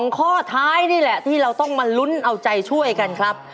ข้อท้ายนี่แหละที่เราต้องมาลุ้นเอาใจช่วยกันครับ